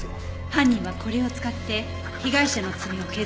犯人はこれを使って被害者の爪を削ったのね。